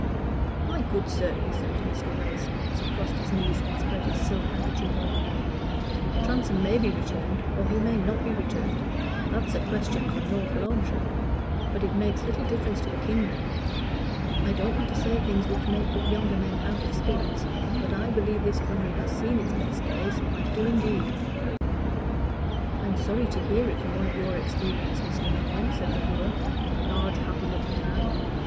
"My good sir," he said to Mr. Wace, as he crossed his knees and spread his silk handkerchief over them, "Transome may be returned, or he may not be returned that's a question for North Loamshire; but it makes little difference to the kingdom. I don't want to say things which may put younger men out of spirits, but I believe this country has seen it's best days I do, indeed." "I am sorry to hear it from one of your experience, Mr. Nolan," said the brewer, a large, happy looking man.